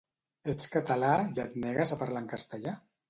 Ets català i et negues a parlar en castellà?